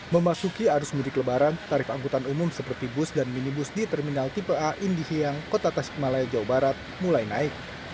memasuki arus mudik lebaran tarif angkutan umum seperti bus dan minibus di terminal tipe a indihiang kota tasikmalaya jawa barat mulai naik